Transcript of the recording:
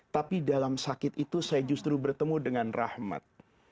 tapi dalam sakit itu saya justru bertemu dengan rahmat